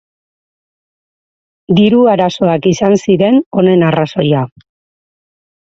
Diru arazoak izan ziren honen arrazoia.